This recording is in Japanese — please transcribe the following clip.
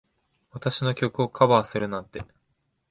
私の曲をカバーするなんて。